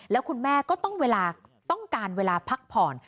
แล้วคุณแม่ก็ต้องเวลาต้องการเวลาพักผ่อน